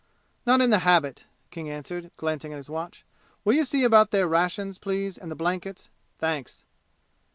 "Not in the habit," King answered, glancing at his watch. "Will you see about their rations, please, and the blankets? Thanks!"